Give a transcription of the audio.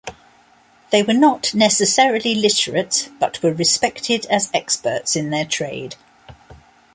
They were not necessarily literate but were respected as experts in their trade.